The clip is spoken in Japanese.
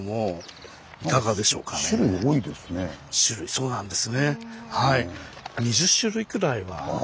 そうなんですねはい。